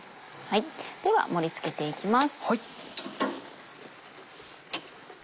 では盛り付けていきます。